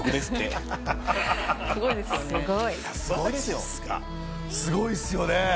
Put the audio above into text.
すごいですよね。